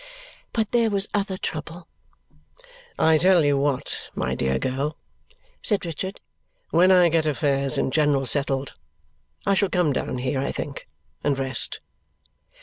But there was other trouble. "I tell you what, my dear girl," said Richard, "when I get affairs in general settled, I shall come down here, I think, and rest."